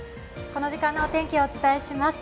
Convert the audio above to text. この時間のお天気をお伝えします。